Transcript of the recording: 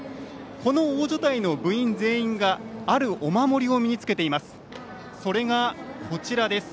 この大所帯の部員全員があるお守りを身につけています。